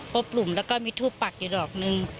กลุ่มแล้วก็มีทูปปักอยู่ดอกนึง